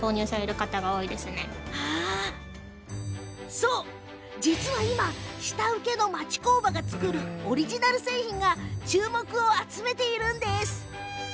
そう、実は今下請けの町工場が作るオリジナル製品が注目を集めているんです。